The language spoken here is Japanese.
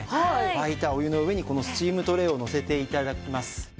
沸いたお湯の上にこのスチームトレーをのせて頂きます。